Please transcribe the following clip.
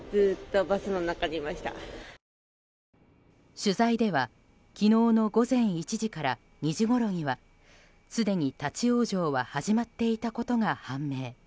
取材では昨日の午前１時から２時ごろにはすでに立ち往生は始まっていたことが判明。